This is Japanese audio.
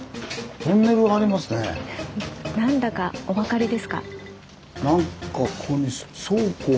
何だかおわかりですか？